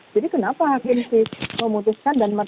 jadi kenapa hakim sih memutuskan